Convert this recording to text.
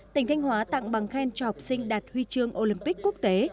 tỉnh thanh hóa tặng bằng khen cho học sinh đạt huy chương olympic quốc tế